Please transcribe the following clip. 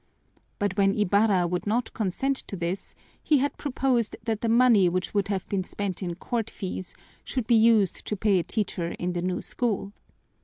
But when Ibarra would not consent to this, he had proposed that the money which would have been spent in court fees should be used to pay a teacher in the new school.